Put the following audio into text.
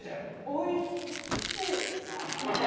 おいっしい！